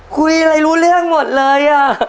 คุยอะไรรู้เรื่องหมดเลย